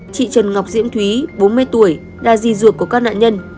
chị trần ngọc diễm thúy bốn mươi tuổi đa di duộc của các nạn nhân